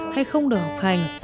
hay không được học hành